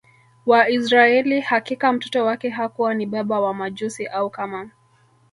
wa Israili Hakika mtoto wake hakuwa ni baba wa Majusi au kama